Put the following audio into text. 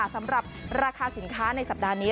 สำหรับราคาสินค้าในสัปดาห์นี้